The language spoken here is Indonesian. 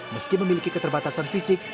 meski memiliki keterbatasan fisik